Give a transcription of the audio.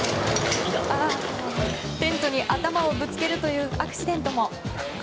テントに頭をぶつけるというアクシデントも。